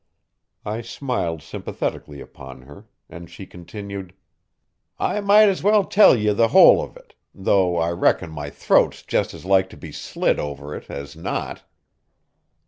I smiled sympathetically upon her, and she continued: "I might as well tell ye the whole of it, though I reckon my throat's jist as like to be slit over it as not."